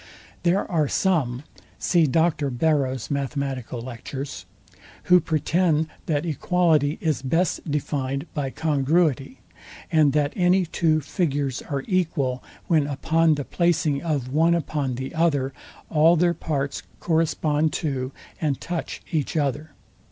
There are some, who pretend, that equality is best defined by congruity, and that any two figures are equal, when upon the placing of one upon the other, all their parts correspond to and touch each other.